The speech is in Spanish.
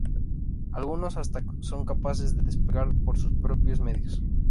Algunos hasta son capaces de despegar por sus propios medios.